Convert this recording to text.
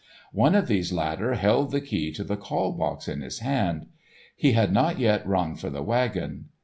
One of these latter had the key to the call box in his hand. He had not yet rung for the wagon.